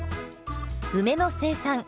梅の生産